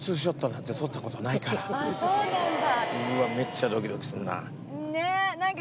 あっそうなんだ。